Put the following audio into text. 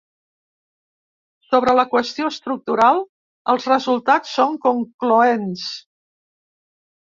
Sobre la qüestió estructural, els resultats són concloents.